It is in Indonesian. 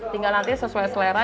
tinggal nanti sesuai selera